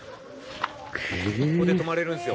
「ここで泊まれるんですよ」